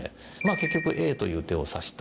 結局、Ａという手を指した。